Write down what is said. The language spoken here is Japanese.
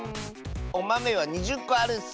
おまめは２０こあるッス。